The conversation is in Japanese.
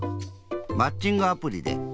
マッチングアプリで。